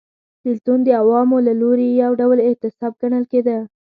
بېلتون د عوامو له لوري یو ډول اعتصاب ګڼل کېده